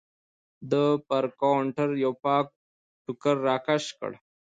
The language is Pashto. ده پر کاونټر یو پاک ټوکر راکش کړ.